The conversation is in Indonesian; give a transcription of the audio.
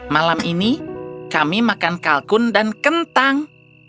malam ini kami makan kalkun dan kentang